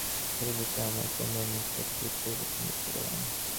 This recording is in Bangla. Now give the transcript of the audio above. সাথে সাথে আমার কন্যার মুখে অদ্ভুত পরিবর্তন দেখতে পেলাম।